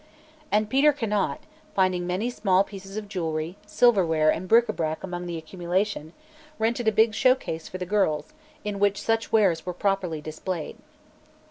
And Peter Conant, finding many small pieces of jewelry, silverware and bric a brac among the accumulation, rented a big showcase for the girls, in which such wares were properly displayed.